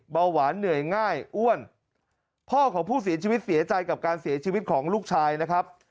เบาหวานเหนื่อยง่ายอ้วนพ่อของผู้เสียชีวิตเสียใจกับการเสียชีวิตของลูกชายนะครับ